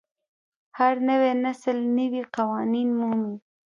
هر نوی نسل نوي قوانین مومي.